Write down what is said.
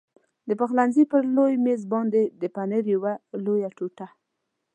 د پخلنځي پر لوی مېز باندې د پنیر یوه لویه ټوټه.